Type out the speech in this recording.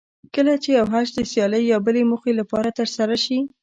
کله چې یو حج د سیالۍ یا بلې موخې لپاره ترسره شي.